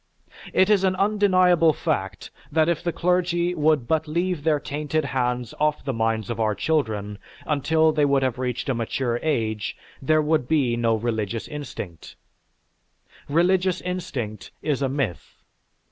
It is an undeniable fact that if the clergy would but leave their tainted hands off the minds of our children until they would have reached a mature age, there would be no religious instinct. Religious instinct is a myth.